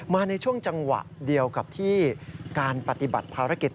ในช่วงจังหวะเดียวกับที่การปฏิบัติภารกิจ